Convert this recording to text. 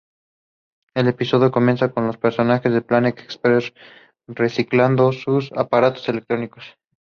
Males search for the female to begin courtship.